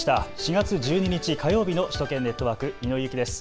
４月１２日火曜日の首都圏ネットワーク、井上裕貴です。